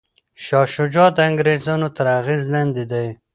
شاه شجاع د انګریزانو تر اغیز لاندې دی.